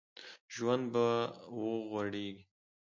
ژوند به وغوړېږي